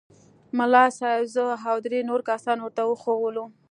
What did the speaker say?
ملا صاحب زه او درې نور کسان ورته وښوولو.